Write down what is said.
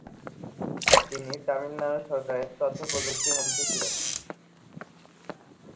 তিনি তামিলনাড়ু সরকারের তথ্য প্রযুক্তি মন্ত্রী ছিলেন।